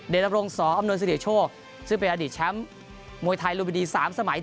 เดชน์อำนวยสิริโชว์ซึ่งเป็นอดีตแชมป์มวยไทยรวมบินดี๓สมัย